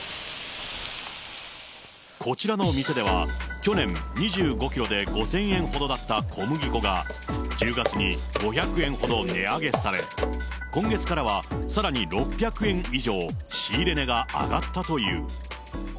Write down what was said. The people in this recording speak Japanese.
こちらの店では、去年、２５キロで５０００円ほどだった小麦粉が１０月に５００円ほど値上げされ、今月からはさらに６００円以上仕入れ値が上がったという。